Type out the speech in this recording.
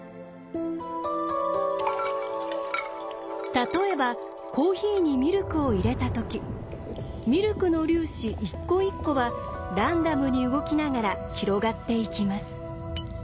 例えばコーヒーにミルクを入れたときミルクの粒子一個一個はランダムに動きながら広がっていきます。